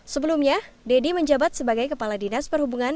sebelumnya deddy menjabat sebagai kepala dinas perhubungan